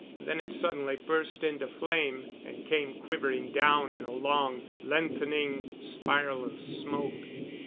Then it suddenly burst into flame and came quivering down in a long, lengthening spiral of smoke.